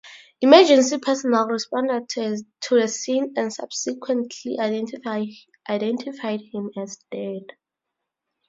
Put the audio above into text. Emergency personnel responded to the scene and subsequently identified him as dead.